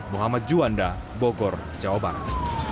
muhammad juanda bogor jawa barat